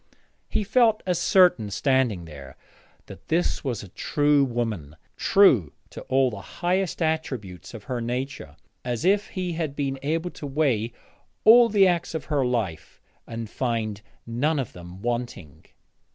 He felt as certain, standing there, that this was a true woman, true to all the highest attributes of her nature, as if he had been able to weigh all the acts of her life and find none of them wanting.